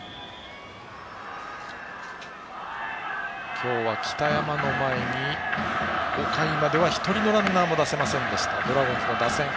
今日は北山の前に５回までは１人のランナーも出せませんでしたドラゴンズの打線。